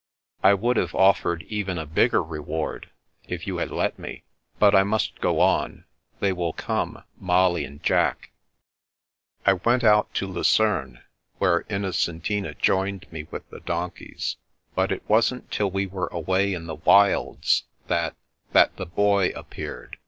I would have offered even a bigger reward, if you had let me. But I must go on: — they will come — Molly and Jack. I went out to Lucerne, where Innocentina joined me with the donkeys; but it wasn't till we were away in the wilds that — that the Boy ap peared.